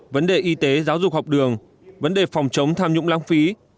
vấn đề y tế giáo dục học đường vấn đề phòng chống tham nhũng lãng phí